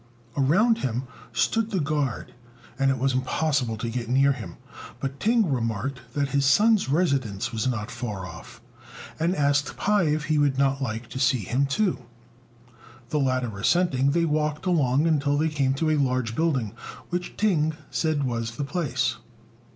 Around him stood the guard, and it was impossible to get near him; but Ting remarked that his son's residence was not far off, and asked Pai if he would not like to see him too. The latter assenting, they walked along till they came to a large building, which Ting said was the place.